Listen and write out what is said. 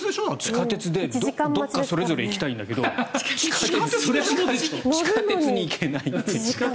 地下鉄でどこかにそれぞれ行きたいんだけど地下鉄に行けないという。